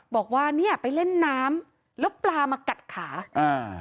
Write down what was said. บอกว่าเนี้ยไปเล่นน้ำแล้วปลามากัดขาอ่า